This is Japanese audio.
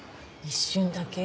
一瞬だけ？